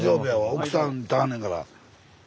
奥さんと会うねんから。